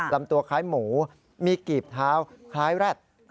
ลำตัวคล้ายหมูมีกีบเท้าคล้ายแร็ด